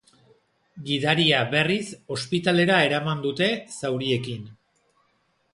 Gidaria, berriz, ospitalera eraman dute, zauriekin.